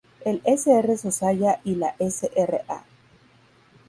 El sr. Zozaya y la sra.